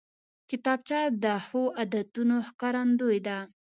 کتابچه د ښو عادتونو ښکارندوی ده